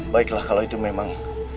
baiklah kalau itu memang